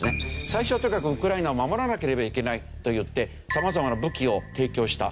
最初はとにかくウクライナを守らなければいけないといって様々な武器を提供した。